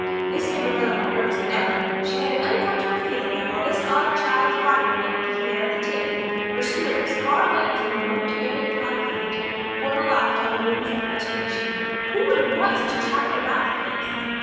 This made Marilla more nervous than ever; she had an uncomfortable feeling that while this odd child's body might be there at the table her spirit was far away in some remote airy cloudland, borne aloft on the wings of imagination. Who would want such a child about the place?